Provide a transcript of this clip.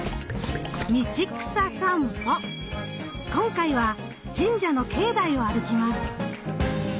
今回は神社の境内を歩きます。